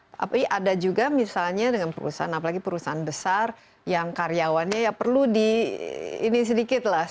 tapi ada juga misalnya dengan perusahaan apalagi perusahaan besar yang karyawannya ya perlu di ini sedikit lah